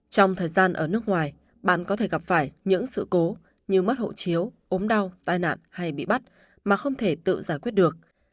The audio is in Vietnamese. trong thời gian ở nước ngoài bạn có thể gặp phải những sự cố như mất hộ chiếu ốm đau tai nạn hay bị bắt mà không thể tự giải quyết được